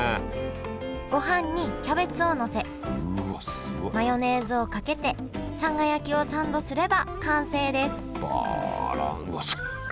ご飯にキャベツをのせマヨネーズをかけてさんが焼きをサンドすれば完成ですわあすごいね。